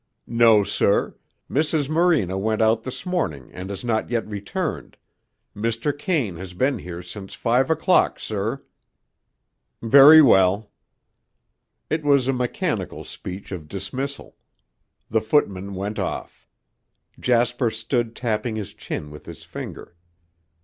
"No, sir. Mrs. Morena went out this morning and has not yet returned. Mr. Kane has been here since five o'clock, sir." "Very well." It was a mechanical speech of dismissal. The footman went off. Jasper stood tapping his chin with his finger.